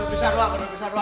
bisa dua bisa dua